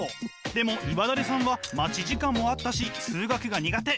でも岩垂さんは待ち時間もあったし数学が苦手。